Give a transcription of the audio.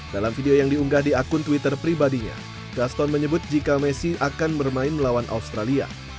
dalam video yang diunggah di akun twitter pribadinya gaston menyebut jika messi akan bermain melawan australia